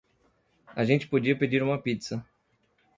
A gente podia pedir uma pizza.